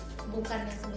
hidupnya nyata gitu